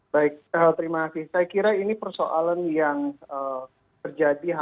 baik terima kasih